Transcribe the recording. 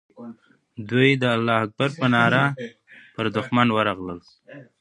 دوی د الله اکبر په ناره پر دښمن ورغلل.